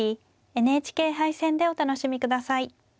ＮＨＫ杯戦でお楽しみ下さい。